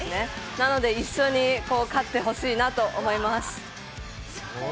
なので一緒に勝ってほしいなと思います。